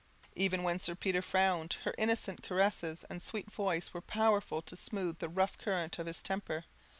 Even when Sir Peter frowned, her innocent caresses and sweet voice were powerful to smooth the rough current of his temper.